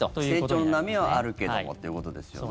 成長の波はあるけどもってことですよね。